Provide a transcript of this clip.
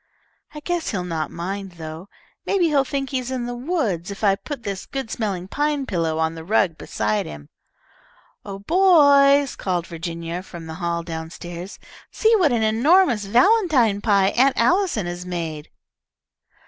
"I guess he'll not mind, though. Maybe he'll think he is in the woods if I put this good smelling pine pillow on the rug beside him." "Oh, boys," called Virginia from the hall down stairs. "See what an enormous valentine pie Aunt Allison has made!"